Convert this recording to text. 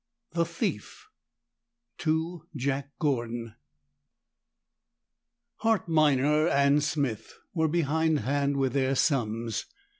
THE THIEF To Jack Gordon Hart Minor and Smith were behind hand with their sums.